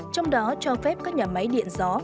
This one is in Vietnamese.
trong đó cho phép các nhà máy điện gió